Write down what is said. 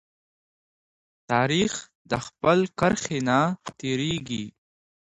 تاریخ د خپل کرښې نه تیریږي.